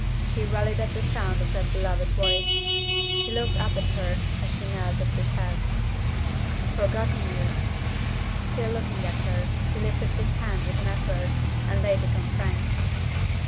He rallied at the sound of that beloved voice. He looked up at her as she knelt at his head. "Forgotten you?" Still looking at her, he lifted his hand with an effort, and laid it on Frank.